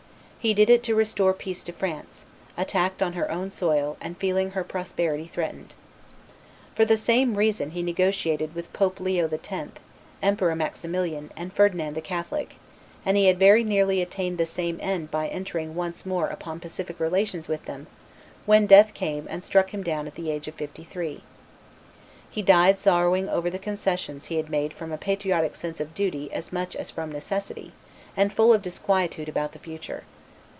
He did it to restore peace to France, attacked on her own soil, and feeling her prosperity threatened. For the same reason he negotiated with Pope Leo X., Emperor Maximilian, and Ferdinand the Catholic, and he had very nearly attained the same end by entering once more upon pacific relations with them, when death came and struck him down at the age of fifty three. He died sorrowing over the concessions he had made from a patriotic sense of duty as much as from necessity, and full of disquietude about the future.